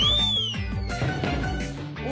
お！